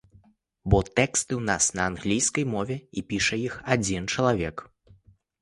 Бо тэксты ў нас на англійскай мове і піша іх адзін чалавек.